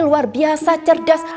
luar biasa cerdas